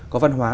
có văn hóa